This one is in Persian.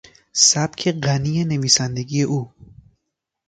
سبک غنی نویسندگی او